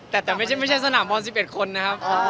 แต่แต่ไม่ใช่สนามบอล๑๑คนนะครับ